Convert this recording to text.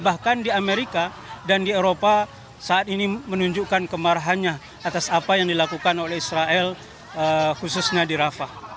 bahkan di amerika dan di eropa saat ini menunjukkan kemarahannya atas apa yang dilakukan oleh israel khususnya di rafah